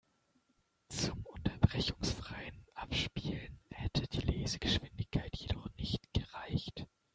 Zum unterbrechungsfreien Abspielen hätte die Lesegeschwindigkeit jedoch nicht gereicht.